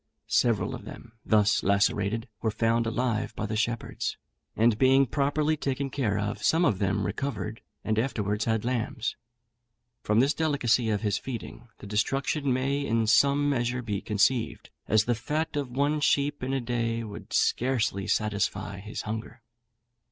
Several of them, thus lacerated, were found alive by the shepherds; and being properly taken care of, some of them recovered, and afterwards had lambs. From this delicacy of his feeding, the destruction may in some measure be conceived, as the fat of one sheep in a day would scarcely satisfy his hunger.